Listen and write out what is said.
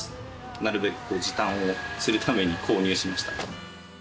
なるべく時短をするために購入しました。